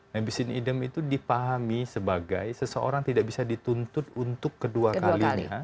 nebisin idem itu dipahami sebagai seseorang tidak bisa dituntut untuk kedua kalinya